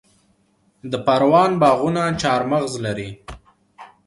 د پروان باغونه چهارمغز لري.